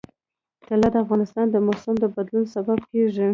طلا د افغانستان د موسم د بدلون سبب کېږي.